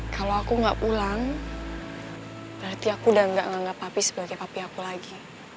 kalau aku gak pulang berarti aku udah gak nganggap papi sebagai papi aku lagi